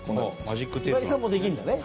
ひばりさんもできるんだね